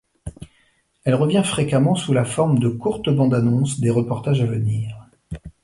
Elle revient fréquemment sous la forme de courtes bandes-annonces des reportages à venir.